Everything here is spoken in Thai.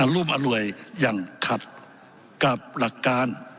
ร่วมอร่วยอย่างขัดกับหลักการ